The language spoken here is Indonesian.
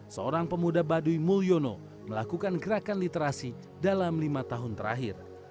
seorang pemuda baduy mulyono melakukan gerakan literasi dalam lima tahun terakhir